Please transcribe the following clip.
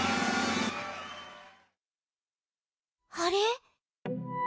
あれ？